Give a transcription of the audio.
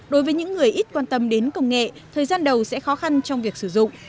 đối với những người ít quan tâm đến công nghệ thời gian đầu sẽ khó khăn trong việc sử dụng